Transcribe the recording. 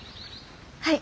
はい。